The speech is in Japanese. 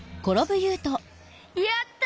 やった！